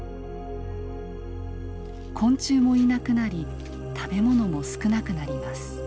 昆虫もいなくなり食べ物も少なくなります。